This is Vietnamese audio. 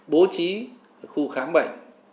bố trí khu khám bệnh